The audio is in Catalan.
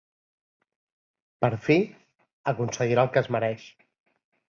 Per fi, aconseguirà el que es mereix.